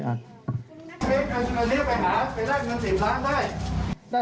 ไปได้เงินสิบล้านได้